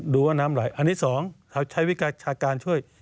ดูว่าน้ำไหลอันนี้๒ใช้วิกาชาการช่วย